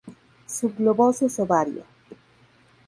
Subglobosos ovario.